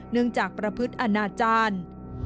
เนื่องจากประพฤติอาณาจารย์